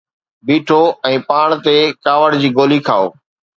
بيٺو ۽ پاڻ تي ڪاوڙ جي گولي کائو